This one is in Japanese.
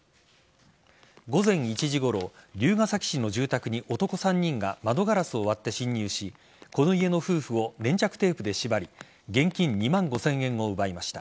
午前１時ごろ龍ケ崎市の住宅に男３人が窓ガラスを割って侵入しこの家の夫婦を粘着テープで縛り現金２万５０００円を奪いました。